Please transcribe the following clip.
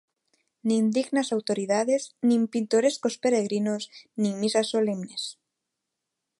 Nin dignas autoridades, nin pintorescos peregrinos, nin misas solemnes.